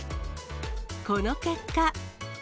この結果。